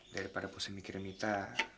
daripada pusing mikirin kita